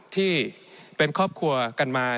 ที่เป็นครอบครัวกันมา